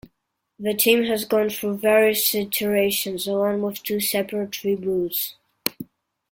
The team has gone through various iterations, along with two separate reboots.